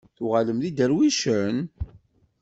Tuɣalem d iderwicen?